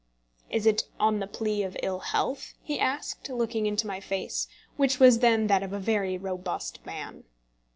"Is it on the plea of ill health?" he asked, looking into my face, which was then that of a very robust man.